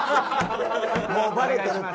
もうバレてるって。